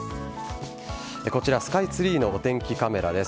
こちらスカイツリーのお天気カメラです。